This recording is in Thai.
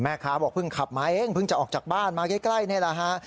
เอ่อแม่ขาบอกพึ่งขับม้าเองเพิ่งจะออกจากบ้านมาใกล้เนี่ยล่ะฮ่า